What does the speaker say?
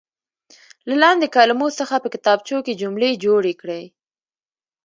له لاندې کلمو څخه په کتابچو کې جملې جوړې کړئ.